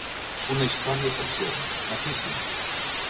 Una història preciosa, maquíssima.